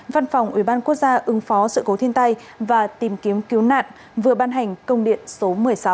văn phòng ủy ban quốc gia ứng phó sự cố thiên tai và tìm kiếm cứu nạn vừa ban hành công điện số một mươi sáu